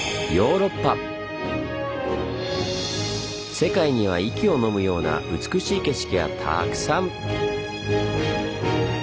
世界には息をのむような美しい景色がたくさん！